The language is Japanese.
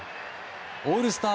オールスター